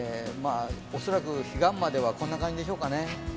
恐らく彼岸まではこんな感じでしょうかね。